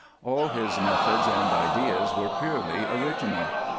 All his methods and ideas were purely original.